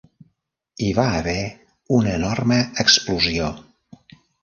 Hi va haver una enorme explosió.